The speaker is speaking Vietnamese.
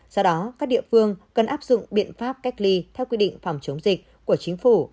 do đó các địa phương cần áp dụng biện pháp cách ly theo quy định phòng chống dịch của chính phủ